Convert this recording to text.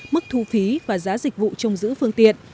mức thu phí và giá dịch vụ trông giữ phương tiện